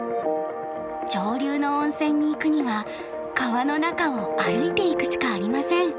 上流の温泉に行くには川の中を歩いていくしかありません。